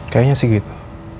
kayaknya sih gitu